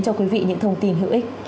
cho quý vị những thông tin hữu ích